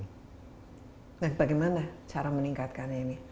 nah bagaimana cara meningkatkan ini